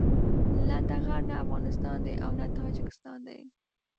لنډغر نه افغانستان دي او نه د تاجيکستان دي.